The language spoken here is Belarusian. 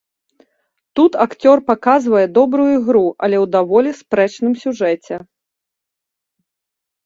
Тут акцёр паказвае добрую ігру, але ў даволі спрэчным сюжэце.